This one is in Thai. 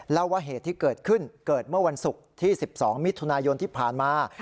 เล่าว่าเหตุที่เกิดขึ้นเกิดเมื่อวันศุกร์ที่๑๒มิถุนายนที่ผ่านมา